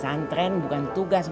kalau enggak mau bakal kena sanksi